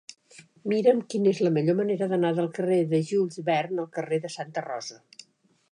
Mira'm quina és la millor manera d'anar del carrer de Jules Verne al carrer de Santa Rosa.